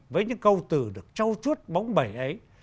với những câu từ được trao chuốt bóng bẩy ấy